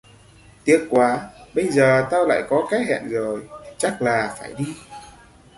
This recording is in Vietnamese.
Tiếc quá Bây giờ tao lại có cái hẹn rồi Chắc là phải đi